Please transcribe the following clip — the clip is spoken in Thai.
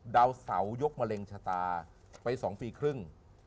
ดาวเสายกมะเร็งชะตาไป๒ปีครึ่ง